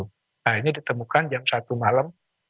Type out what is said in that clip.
nah ini ditemukan jam satu malam